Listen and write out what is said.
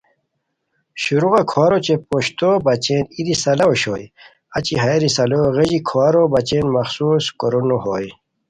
شروغہ کھوارو اوچے پشتو بچین ای رسالا اوشوئے اچی ہیہ رسالو غیژی کھوارو بچین مخصوس کورونو ہوئے